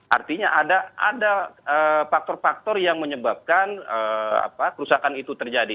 artinya ada faktor faktor yang menyebabkan kerusakan itu terjadi